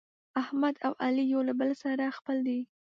احمد او علي یو له بل سره خپل دي.